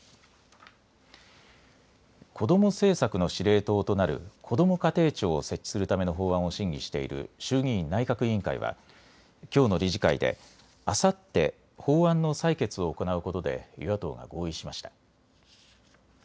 子ども政策の司令塔となるこども家庭庁を設置するための法案を審議している衆議院内閣委員会はきょうの理事会であさって法案の採決を行うことで与野党が合意しました。